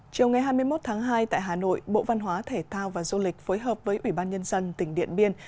chiều ngày hai mươi một tháng hai tại hà nội bộ văn hóa thể thao và du lịch phối hợp với ủy ban nhân dân tỉnh điện biên